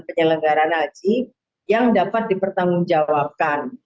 penyelenggaran haji yang dapat dipertanggungjawabkan